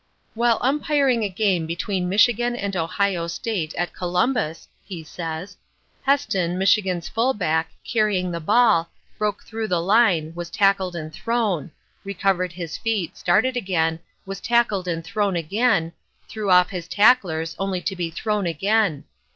"While umpiring a game between Michigan and Ohio State, at Columbus," he says, "Heston, Michigan's fullback, carrying the ball, broke through the line, was tackled and thrown; recovered his feet, started again, was tackled and thrown again, threw off his tacklers only to be thrown again.